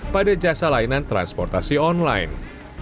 pada jasa layanan transportasi online